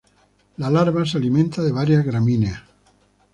La larva se alimenta de varias gramíneas.